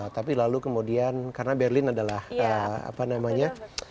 tapi lalu kemudian karena berlin adalah apa namanya